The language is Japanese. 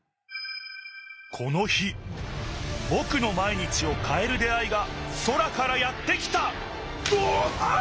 この日ぼくの毎日をかえる出会いが空からやって来たおおっああ！